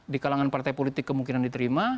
di kalangan partai politik kemungkinan diterima